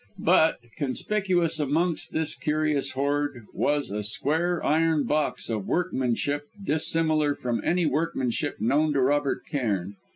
But, conspicuous amongst this curious hoard, was a square iron box of workmanship dissimilar from any workmanship known to Robert Cairn.